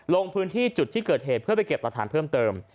ลงพื้นที่จุดที่เกิดเหตุเพื่อไปเก็บหลักฐานเพิ่มเติม